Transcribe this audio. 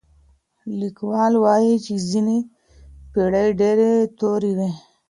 ليکوال وايي چي ځينې پېړۍ ډېرې تورې وې.